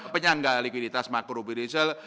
penyangga likuiditas macro budgetial